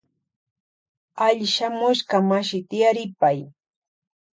Alli shamushka mashi tiaripay.